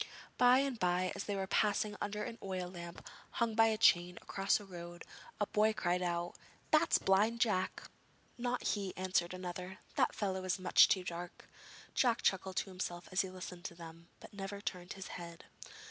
By and bye as they were passing under an oil lamp hung by a chain across the road, a boy cried out: 'That's Blind Jack!' 'Not he,' answered another; 'that fellow is much too dark.' Jack chuckled to himself as he listened to them, but never turned his head.